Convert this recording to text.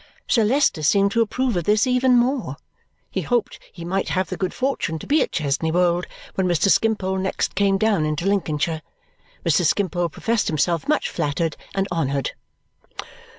Sir Leicester seemed to approve of this even more. He hoped he might have the good fortune to be at Chesney Wold when Mr. Skimpole next came down into Lincolnshire. Mr. Skimpole professed himself much flattered and honoured.